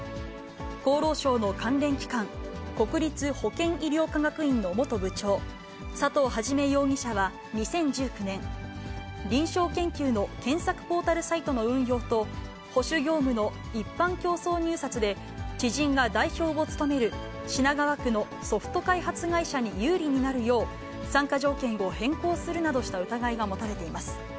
厚労省の関連機関、国立保健医療科学院の元部長、佐藤元容疑者は、２０１９年、臨床研究の検索ポータルサイトの運用と保守業務の一般競争入札で、知人が代表を務める品川区のソフト開発会社に有利になるよう、参加条件を変更するなどした疑いが持たれています。